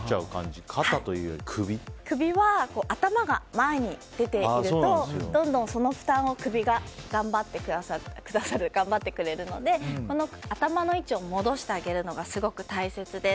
首は、頭が前に出ているとどんどんその負担を首が頑張ってくれるので頭の位置を戻してあげるのがすごく大切です。